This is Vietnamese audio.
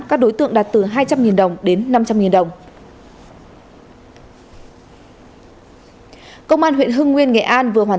các đối tượng đạt từ hai trăm linh đồng đến năm trăm linh đồng công an huyện hưng nguyên nghệ an vừa hoàn